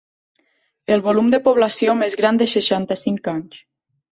El volum de població més gran de seixanta-cinc anys.